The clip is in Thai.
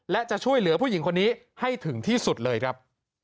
และจะช่วยเหลือผู้หญิงคนนี้ให้ถึงที่สุดเลยครับ